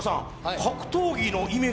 格闘技のイメージ